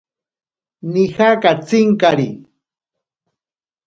Nija katsinkari.